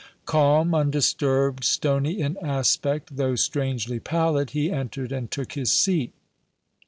Calm, undisturbed, stony in aspect, though strangely pallid, he entered and took his seat.